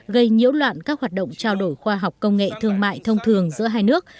gây nhiễu loạn các hoạt động trao đổi khoa học công nghệ thương mại thông thường giữa hai nước